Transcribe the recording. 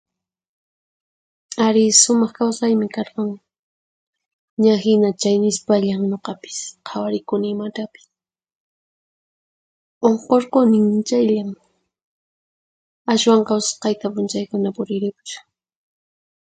Arí, sumaq kawsaymi karqan, ña hina chay nispallan nuqapis qhawarikuni imatapis. Unqurqunin, chayllan! Ashwanqa usqhayta p'unchaykuna puriripushan.